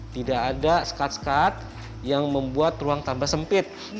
tidak ada sekat sekat yang membuat ruang tambah sempit